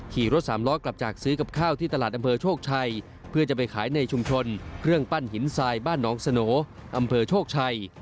ขี่รถสามล้อกลับจากซื้อกับข้าวที่ตลาดอำเภอโชคชัยเพื่อจะไปขายในชุมชนเครื่องปั้นหินทรายบ้านหนองสโนอำเภอโชคชัย